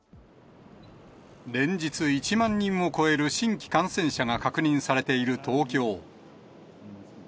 連日、１万人を超える新規感染者が確認されている東京。